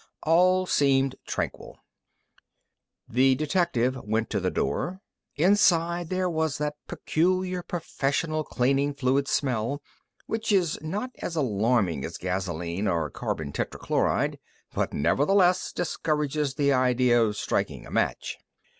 All seemed tranquil. The detective went in the door. Inside there was that peculiar, professional cleaning fluid smell, which is not as alarming as gasoline or carbon tetrachloride, but nevertheless discourages the idea of striking a match.